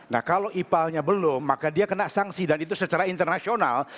nah kalau ipalnya belum maka dia kena sanksi dan itu secara internasional